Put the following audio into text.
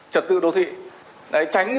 trật tự đô thị tránh